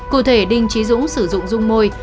cụ thể đinh trí dũng sử dụng dung môi